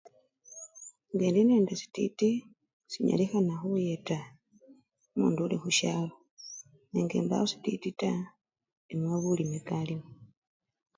Ngendi nende sititi sinyalikhana khuyeta omundu olikhushalo nenga mbawo sititi taa, emuwa bulime kalima.